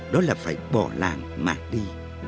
đó là phải bỏ làng mà đi